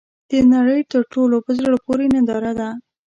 د نړۍ تر ټولو ، په زړه پورې ننداره ده .